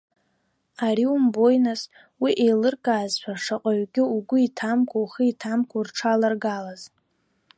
Ари умбои нас, уи еилыркаазшәа, шаҟаҩгьы, угәы иҭамкәа, ухы иҭамкәа, рҽаларгалаз.